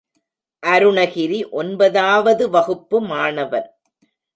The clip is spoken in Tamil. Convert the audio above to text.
அருணகிரி ஒன்பதாவது வகுப்பு மாணவன்.